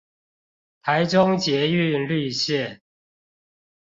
台中捷運綠綫